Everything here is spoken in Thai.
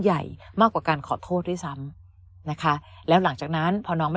ใหญ่มากกว่าการขอโทษด้วยซ้ำนะคะแล้วหลังจากนั้นพอน้องไม่